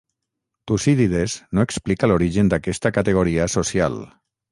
Tucídides no explica l'origen d'aquesta categoria social.